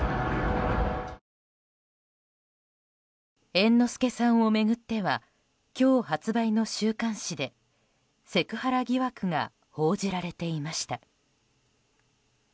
猿之助さんを巡っては今日発売の週刊誌でセクハラ疑惑が報じられていました。